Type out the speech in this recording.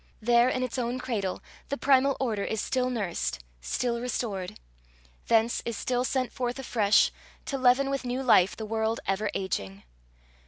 there, in its own cradle, the primal order is still nursed, still restored; thence is still sent forth afresh, to leaven with new life the world ever ageing!